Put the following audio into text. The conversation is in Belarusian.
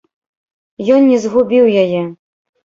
Ён не згубіў яе.